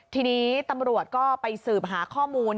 ทีนี้ตำรวจก็ไปสืบหาข้อมูล